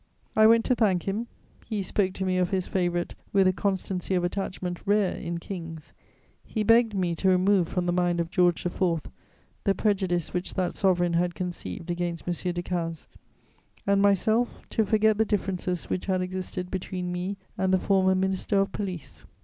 I went to thank him; he spoke to me of his favourite with a constancy of attachment rare in kings; he "begged" me to remove from the mind of George IV. the prejudice which that sovereign had conceived against M. Decazes, and myself to forget the differences which had existed between me and the former Minister of Police.